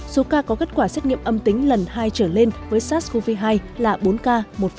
số ca có kết quả xét nghiệm âm tính lần hai trở lên với sars cov hai là bốn ca một